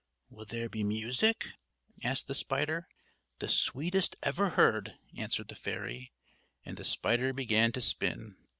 "Will there be music?" asked the spider. "The sweetest ever heard" answered the fairy; and the spider began to spin.